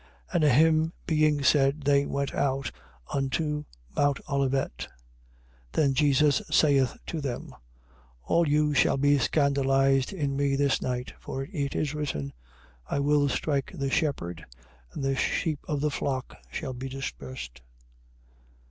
And a hymn being said, they went out unto mount Olivet. 26:31. Then Jesus saith to them: All you shall be scandalized in me this night. For it is written: I will strike the shepherd: and the sheep of the flock shall be dispersed.